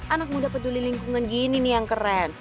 anak muda peduli lingkungan gini nih yang keren